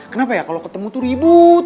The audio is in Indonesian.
kenapa ya kalau ketemu tuh ribut